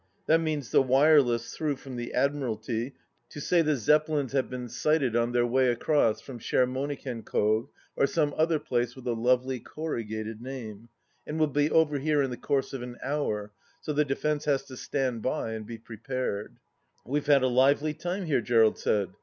That means the wireless through from the Admiralty to say the Zeppelins have been sighted on their way across from Schermonickenkoog, or some other place with a lovely corrugated name, and will be over here in the course of an hour, so the defence has to stand by, and be prepared. ..." We've had a lively time here," Gerald said.